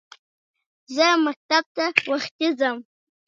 اېټالیا اریتیریا سیمه د خپلې برخې په توګه ونیوله.